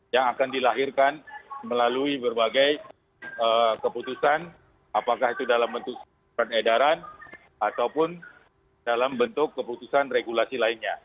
yang akan dilahirkan melalui berbagai keputusan apakah itu dalam bentuk surat edaran ataupun dalam bentuk keputusan regulasi lainnya